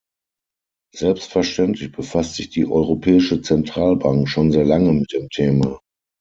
Selbstverständlich befasst sich die Europäische Zentralbank schon sehr lange mit dem Thema.